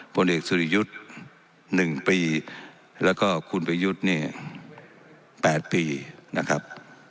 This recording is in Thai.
ผลเอกสุริยุทธ์๑ปีแล้วก็คุณประยุทธ์เนี่ย๘ปีนะครับ